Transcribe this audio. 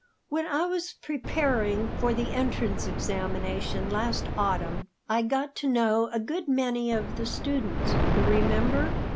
"When I was preparing for the entrance examination last autumn, I got to know a good many of the students; you remember?